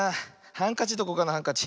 ハンカチどこかなハンカチ。